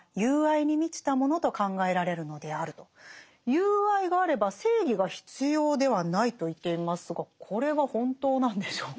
友愛があれば正義が必要ではないと言っていますがこれは本当なんでしょうか？